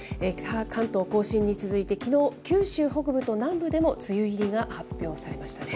関東甲信に続いて、きのう、九州北部と南部でも梅雨入りが発表されましたね。